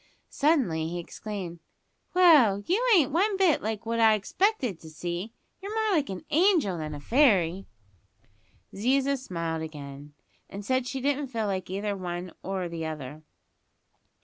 Suddenly he exclaimed, "Well, you ain't one bit like what I expected to see. You're more like a angel than a fairy." Ziza smiled again, and said she didn't feel like either the one or the other.